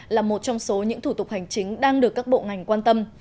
là một trong số những thủ tục hành chính đang được các bộ ngành quan tâm